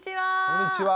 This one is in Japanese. こんにちは。